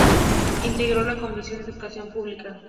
Integró la Comisión de Educación Pública.